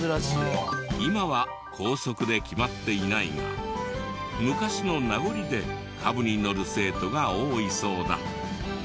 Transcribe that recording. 今は校則で決まっていないが昔の名残でカブに乗る生徒が多いそうだ。